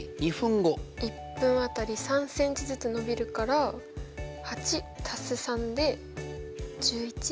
１分当たり３ｃｍずつ伸びるから８＋３で１１。